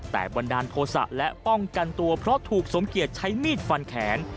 แต่บันดาลโทษะและป้องกันตัวเพราะถูกสมเกียจใช้มีดฟันแขน